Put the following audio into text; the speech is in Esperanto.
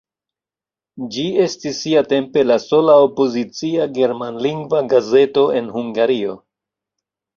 Ĝi estis siatempe la sola opozicia germanlingva gazeto en Hungario.